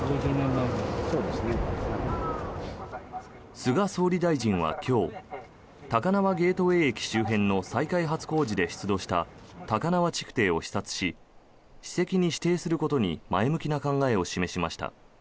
菅総理大臣は今日高輪ゲートウェイ駅周辺の再開発工事で出土した高輪築堤を視察し史跡に指定することに前向きな考えを示しました。